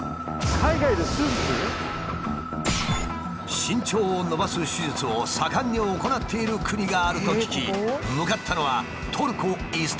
身長を伸ばす手術を盛んに行っている国があると聞き向かったのはトルコイスタンブール。